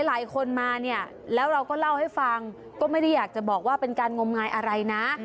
หลายคนมาเนี่ยแล้วเราก็เล่าให้ฟังก็ไม่ได้อยากจะบอกว่าเป็นการงมงายอะไรนะ